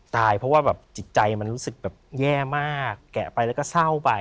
เพราะว่าแบบจิตใจมันรู้สึกแบบแย่มากแกะไปแล้วก็เศร้าไป